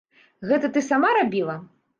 Гэта ты сама рабіла?